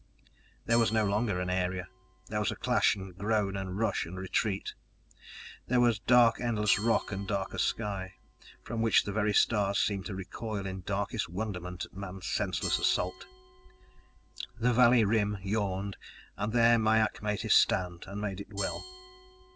There was no longer an area. There was clash and groan and rush and retreat, there was dark endless rock and a darker sky, from which the very stars seemed to recoil in darkest wonderment at man's senseless assault. The valley rim yawned, and there Mai ak made his stand and made it well.